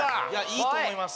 いいと思います。